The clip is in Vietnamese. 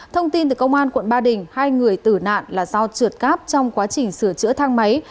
thông tin từ công an quận ba đình hai người tử nạn là do trượt cáp trong quá trình sửa chữa thang máy